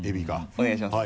お願いします。